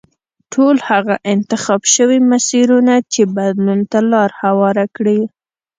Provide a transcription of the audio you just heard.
ټول هغه انتخاب شوي مسیرونه چې بدلون ته لار هواره کړه.